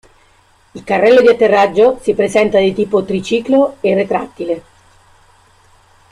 Il carrello di atterraggio si presenta di tipo triciclo e retrattile.